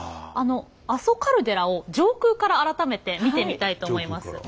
阿蘇カルデラを上空から改めて見てみたいと思います。